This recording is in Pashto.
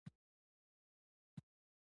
سپین ږیری د خپلو خبرو له لارې مشوره ورکوي